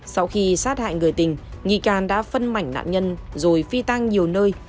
sau khi sát hại người tình nghi can đã phân mảnh nạn nhân rồi phi tang nhiều nơi